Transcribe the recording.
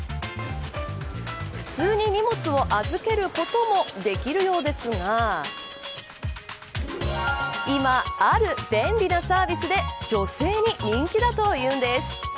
普通に荷物を預けることもできるようですが今、ある便利なサービスで女性に人気だというんです。